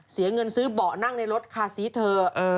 เสียเงินซื้อเบาะนั่งในรถคาซีเธอ